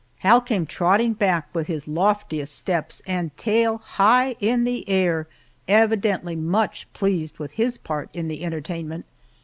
Hal came trotting back with his loftiest steps and tail high in the air, evidently much pleased with his part in the entertainment.